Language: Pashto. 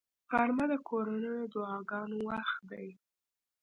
غرمه د کورنیو دعاګانو وخت دی